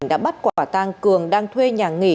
đã bắt quả tang cường đang thuê nhà nghỉ